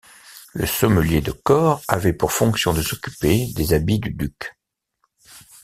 Le sommelier de corps avait pour fonction de s'occuper des habits du duc.